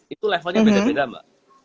itu levelnya beda beda mbak